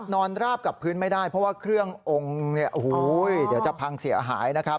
นอนราบกับพื้นไม่ได้เพราะว่าเครื่ององค์จะพังเสียหาย